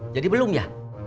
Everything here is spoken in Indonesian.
jadi belum ya